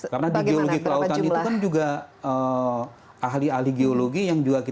karena di geologi lautan itu kan juga ahli ahli geologi yang diperlukan